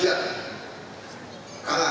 bukan kuli kuli bangsa lain